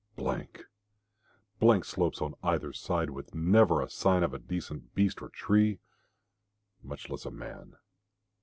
Blank! Blank slopes on either side, with never a sign of a decent beast or tree much less a man.